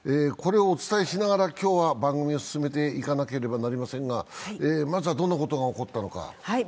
これをお伝えしながら今日は番組を進めていかなければなりませんが、まずはどんなことが起こったのか。